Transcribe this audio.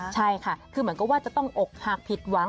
ใช่ค่ะคือเหมือนกับว่าจะต้องอกหักผิดหวัง